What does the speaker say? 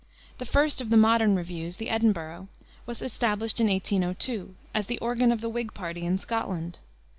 The first of the modern reviews, the Edinburgh, was established in 1802, as the organ of the Whig party in Scotland.